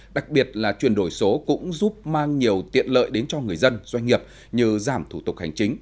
đặc biệt là chuyển đổi số cũng giúp mang nhiều tiện lợi đến cho người dân doanh nghiệp như giảm thủ tục hành chính